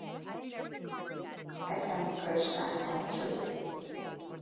S. M. Krishna, and Sri.